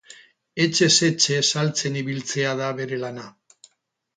Etxez etxe saltzen ibiltzea da bere lana